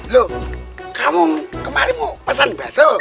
lo kamu kemarin mau pesen bakso